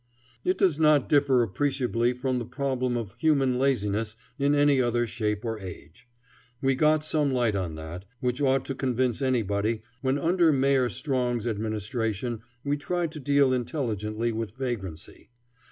It does not differ appreciably from the problem of human laziness in any other shape or age. We got some light on that, which ought to convince anybody, when under Mayor Strong's administration we tried to deal intelligently with vagrancy.